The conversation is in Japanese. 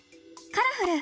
「カラフル！